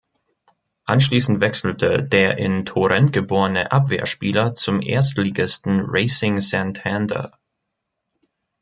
Anschließend wechselte der in Torrent geborene Abwehrspieler zum Erstligisten Racing Santander.